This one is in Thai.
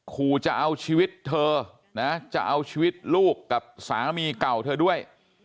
ขู่จะเอาชีวิตเธอนะจะเอาชีวิตลูกกับสามีเก่าเธอด้วย